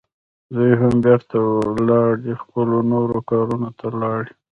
دوی هم بیرته ولاړې، خپلو نورو کارونو ته لاړې.